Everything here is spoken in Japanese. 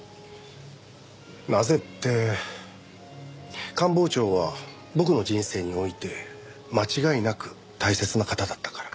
なぜって官房長は僕の人生において間違いなく大切な方だったから。